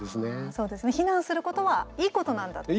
そうですね避難することはいいことなんだと。